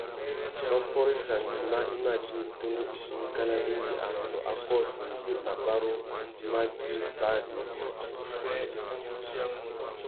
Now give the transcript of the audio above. Mbaffôréchia nguimá i mà djï tunu itindikana indi arrôndô a kôchi ngüi mabarú mà djï fari wussi.